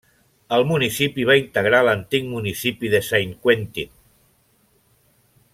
El municipi va integrar l'antic municipi de Saint-Quentin.